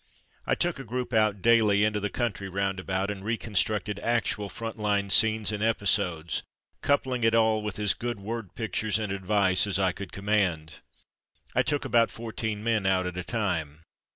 I took a group out daily into the country round about, and reconstructed actual front line scenes and episodes, coupling it all with as good word pictures and advice as I could command. I took about fourteen men out at a time.